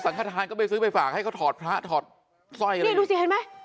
ขทานก็ไปซื้อไปฝากให้เขาถอดพระถอดสร้อยกันเลยนี่ดูสิเห็นไหม